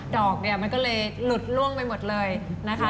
ดอกเนี่ยมันก็เลยหลุดล่วงไปหมดเลยนะคะ